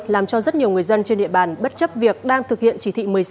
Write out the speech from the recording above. làm cho rất nhiều người dân trên địa bàn bất chấp việc đang thực hiện chỉ thị một mươi sáu